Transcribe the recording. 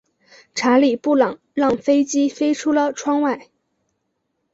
查理布朗让飞机飞出了窗外。